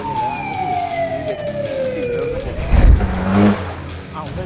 อยู่ไปเหมือนกันเนี่ย